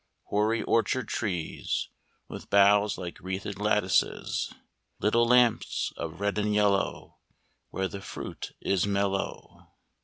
Hoary orchard trees With boughs like wreathed lattices, Little lamps of red and yellow Where the fruit is mellow.